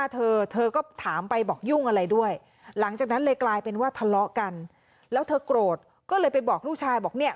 เธอบอกอย่างนี้ค่ะผู้สื่อข่าวบอกแม่เล่ามาถึงตรงนี้ก็ไล่ตะเพิศผู้สื่อข่าวออกจากบ้านค่ะ